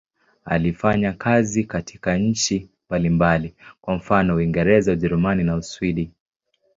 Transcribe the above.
Alifanya kazi katika nchi mbalimbali, kwa mfano Uingereza, Ujerumani na Uswidi.